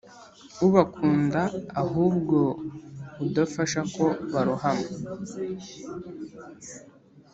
ubakunda ahubwo udasha ko barohama